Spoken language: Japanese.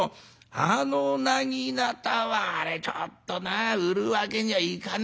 あのなぎなたはあれちょっとな売るわけにはいかねえだ」。